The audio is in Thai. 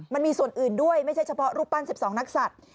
มันมีส่วนอื่นด้วยไม่ใช่เฉพาะรูปปั้น๑๒นักศัตริย์